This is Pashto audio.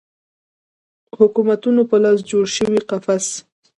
حکومتونو په لاس جوړ شوی قفس